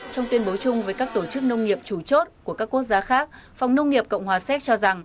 trong tuyên bố chung với các tổ chức nông nghiệp chủ chốt của các quốc gia khác phòng nông nghiệp cộng hòa séc cho rằng